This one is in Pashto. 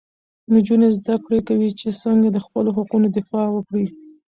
نجونې زده کوي چې څنګه د خپلو حقونو دفاع وکړي.